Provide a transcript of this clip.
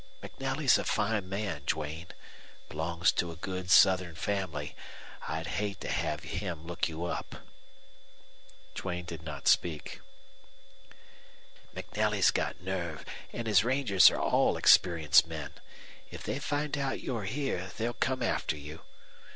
MacNelly's a fine man, Duane. Belongs to a good Southern family. I'd hate to have him look you up." Duane did not speak. "MacNelly's got nerve, and his rangers are all experienced men. If they find out you're here they'll come after you.